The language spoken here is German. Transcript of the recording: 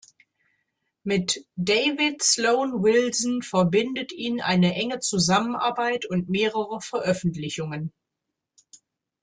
Mit David Sloan Wilson verbindet ihn eine enge Zusammenarbeit und mehrere Veröffentlichungen.